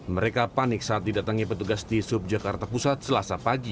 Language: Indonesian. mereka panik saat didatangi petugas di sub jakarta pusat selasa pagi